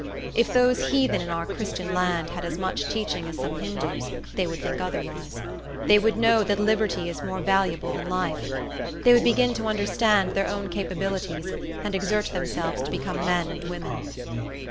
If those heathen in our Christian land had as much teaching as some Hindoos, they would think otherwise. They would know that liberty is more valuable than life. They would begin to understand their own capabilities, and exert themselves to become men and women.